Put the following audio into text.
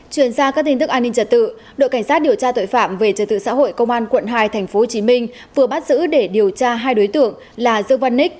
chuyển sang các tin tức an ninh trật tự đội cảnh sát điều tra tội phạm về trật tự xã hội công an quận hai tp hcm vừa bắt giữ để điều tra hai đối tượng là dương văn ních